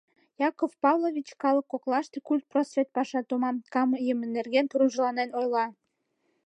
Яков Павлович калык коклаште культпросвет паша томам кайыме нерген тургыжланен ойла.